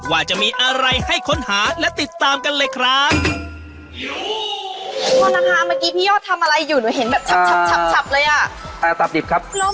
ว่าจะมีอะไรให้ค้นหาและติดตามกันเลยครับ